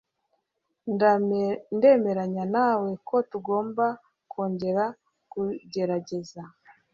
ndemeranya nawe ko tugomba kongera kugerageza